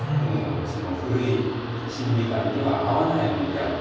その古い審美眼には合わないものである。